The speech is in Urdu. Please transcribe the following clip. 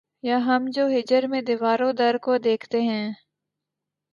یہ ہم جو ہجر میں‘ دیوار و در کو دیکھتے ہیں